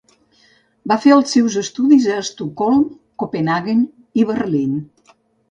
Va fer els seus estudis a Estocolm, Copenhaguen i Berlín.